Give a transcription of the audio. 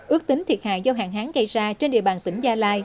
ước tính thiệt hại do hạn hán gây ra trên địa bàn tỉnh gia lai